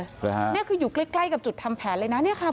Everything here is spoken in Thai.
หรือฮะนี่คืออยู่ใกล้ใกล้กับจุดทำแผนเลยนะเนี่ยค่ะ